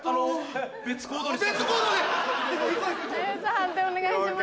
判定お願いします。